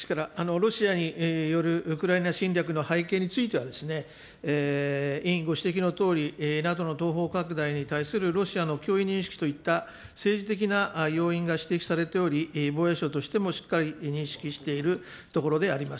ロシアによるウクライナ侵略の背景についてはですね、委員ご指摘のとおり、ＮＡＴＯの東方拡大に対するロシアの脅威認識といった政治的な要因が指摘されており、防衛省としてもしっかり認識しているところであります。